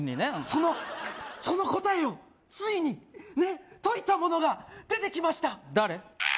そのその答えをついに解いた者が出てきました誰？